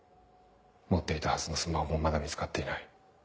持っていたはずのスマホもまだ見つかっていない。